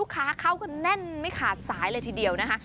ค้าเข้ากันแน่นไม่ขาดสายเลยทีเดียวนะคะ